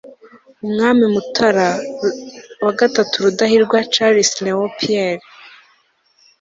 umwami mutara iii rudahigwa charles léon pierre